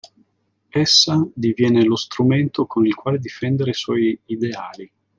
Essa diviene lo strumento con il quale difendere i suoi ideali.